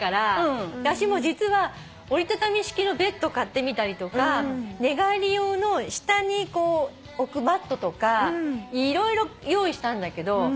私も実は折りたたみ式のベッド買ってみたりとか寝返り用の下に置くマットとか色々用意したんだけど。